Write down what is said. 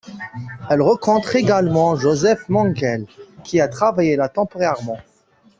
Elle rencontre également Josef Mengele, qui a travaillé là temporairement.